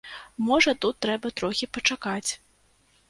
Можа, тут трэба трохі пачакаць.